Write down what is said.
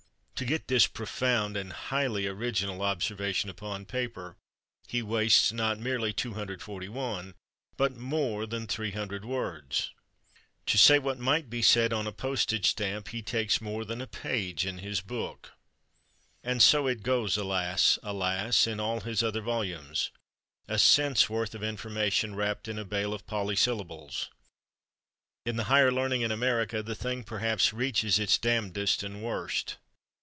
To get this profound and highly original observation upon paper, he wastes, not merely 241, but more than 300 words! To say what might be said on a postage stamp he takes more than a page in his book!... And so it goes, alas, alas, in all his other volumes—a cent's worth of information wrapped in a bale of polysyllables. In "The Higher Learning in America" the thing perhaps reaches its damndest and worst.